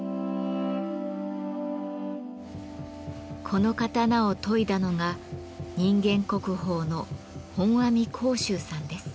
この刀を研いだのが人間国宝の本阿弥光洲さんです。